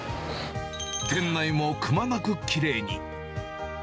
店内もくまなくきれいに。